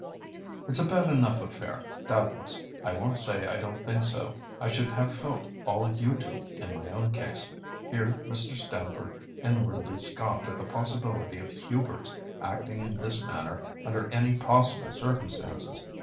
"It's a bad enough affair, doubtless. I won't say I don't think so. I should have felt all you do, in my own case." Here Mr. Stamford inwardly scoffed at the possibility of Hubert's acting in this manner under any possible circumstances.